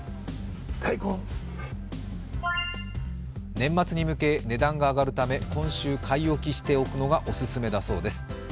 年末に向け値段が上がるため今週買い置きしておくのがオススメだそうです。